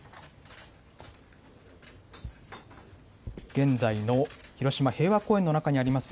現在の広島平和公園の中にあります